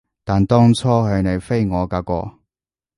但當初係你飛我㗎喎